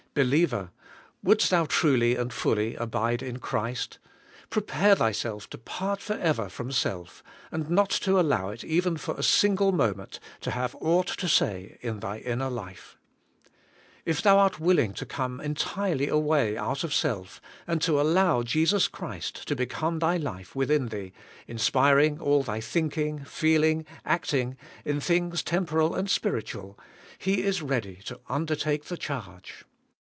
Believer! wouldest thou truly and fully abide in Christ, prepare thyself to part for ever from self, and not to allow it, even for a single moment, to have aught to say in thy inner life. If thou art willing to come entirely away out of self, and to allow Jesus Christ to become thy life within thee, inspiring all thy thinking, feeling, acting, in things temporal and spiritual. He is ready to undertake the charge.